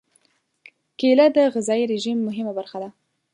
کېله د غذايي رژیم مهمه برخه ده.